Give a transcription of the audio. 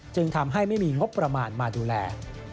จึงทำให้ไม่มีงบประมาณมาดูแล